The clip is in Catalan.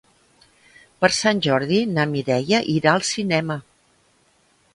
Per Sant Jordi na Mireia irà al cinema.